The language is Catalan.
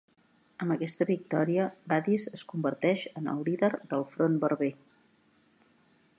Amb aquesta victòria Badis es converteix en el líder del front berber.